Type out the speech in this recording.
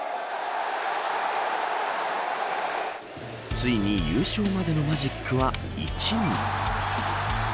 ついに優勝までのマジックは１に。